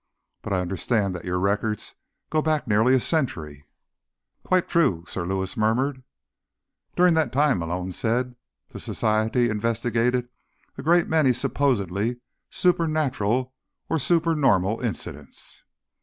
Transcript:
"But I understand that your records go back nearly a century." "Quite true," Sir Lewis murmured. "During that time," Malone said, "the Society investigated a great many supposedly supernatural or supernormal incidents."